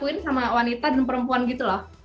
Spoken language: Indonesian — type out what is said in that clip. bisa dilakuin sama wanita dan perempuan gitu loh